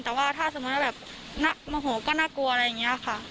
แต่ว่าถ้าสมมุติว่าแบบโมโหก็น่ากลัวอะไรอย่างนี้ค่ะ